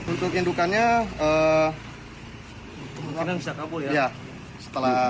untuk indukannya belum didapat ya